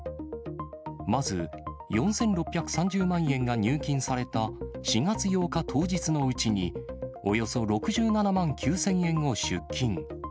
まず、４６３０万円が入金された４月８日当日のうちに、およそ６７万９０００円を出金。